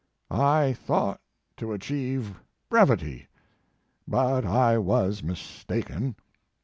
I thought to achieve brevity, but I was mistaken.